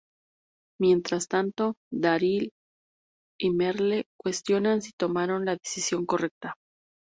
Mientras tanto, Daryl y Merle cuestionan si tomaron la decisión correcta.